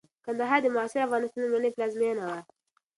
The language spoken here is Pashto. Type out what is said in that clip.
کندهار د معاصر افغانستان لومړنۍ پلازمېنه وه.